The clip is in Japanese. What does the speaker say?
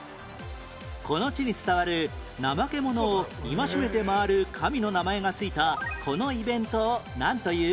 この地に伝わる怠け者を戒めて回る神の名前が付いたこのイベントをなんという？